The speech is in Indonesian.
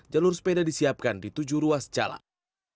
jalur sepeda disiapkan di tujuh ruas jalan